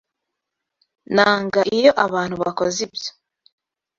Nanga iyo abantu bakoze ibyo.